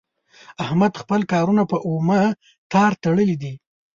احمد خپل کارونه په اومه تار تړلي دي.